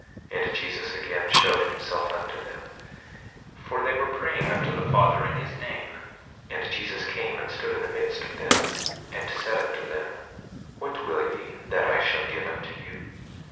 27:2 And Jesus again showed himself unto them, for they were praying unto the Father in his name; and Jesus came and stood in the midst of them, and said unto them: What will ye that I shall give unto you?